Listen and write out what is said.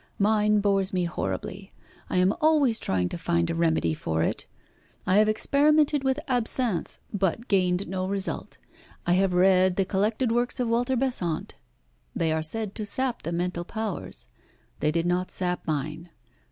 Mine bores me horribly. I am always trying to find a remedy for it. I have experimented with absinthe, but gained no result. I have read the collected works of Walter Besant. They are said to sap the mental powers. They did not sap mine.